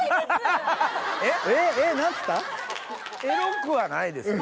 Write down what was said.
エロくはないです。